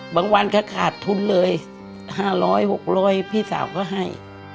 บางวันก็ขาดทุนเลยห้าร้อยหกร้อยพี่สาวก็ให้